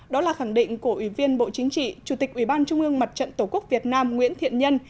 đó là khẳng định của ủy viên bộ chính trị chủ tịch ủy ban trung ương mặt trận tổ quốc việt nam nguyễn thiện nhân